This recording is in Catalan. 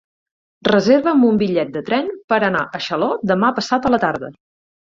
Reserva'm un bitllet de tren per anar a Xaló demà passat a la tarda.